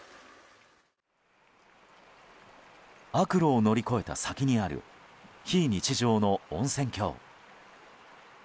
悪路を乗り越えた先にある非日常の温泉郷。